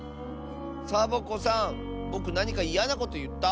サボ子さんぼくなにかいやなこといった？